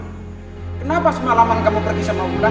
kenapa semalaman kamu pergi sama pulang